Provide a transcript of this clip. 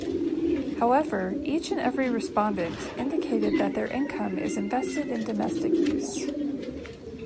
However, each and every respondent indicated that their income is invested in domestic use.